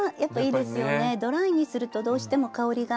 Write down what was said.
ドライにするとどうしても香りが。